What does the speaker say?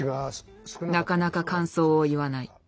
なかなか感想を言わない。